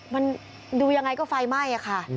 มันดูอย่างไรก็ไฟไหม้ค่ะ